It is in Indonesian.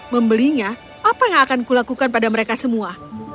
membelinya apa yang akan kulakukan pada mereka semua